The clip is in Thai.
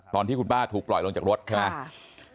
ตอนที่คุณป้าถูกปล่อยลงจากรถใช่ไหม